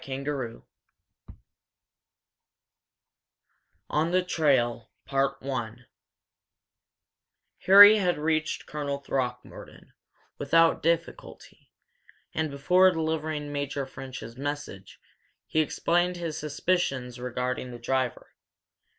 CHAPTER V ON THE TRAIL Harry had reached Colonel Throckmorton without difficulty and before delivering Major French's message, he explained his suspicions regarding the driver.